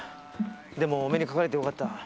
でもお目にかかれてよかった。